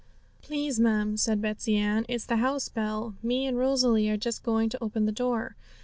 'Please, ma'am,' said Betsey Ann, 'it's the house bell; me and Rosalie are just going to open the door.'